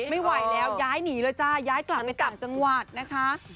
ไม่ไหวแล้วย้ายหนีเลยจ้าย้ายกลับไปต่างจังหวัดนะคะ